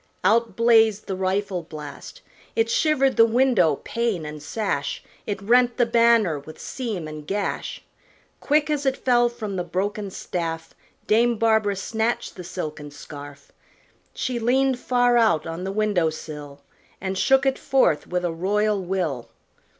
out blazed the rifle blast. It shivered the window, pane and sash; It rent the banner with seam and gash. Quick, as it fell, from the broken staff Dame Barbara snatched the silken scarf; She leaned far out on the window sill, And shook it forth with a royal will.